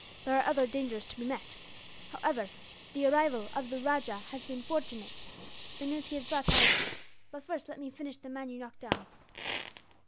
There are other dangers to be met. However, the arrival of the rajah has been fortunate. The news he has brought has but first, let me finish the man you knocked down."